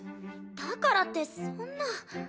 だからってそんな。